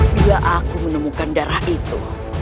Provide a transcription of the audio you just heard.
bila aku menemukan darah itu